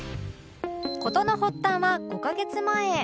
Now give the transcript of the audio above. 事の発端は５カ月前